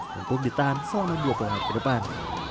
yang pun ditahan selama dua perang ke depan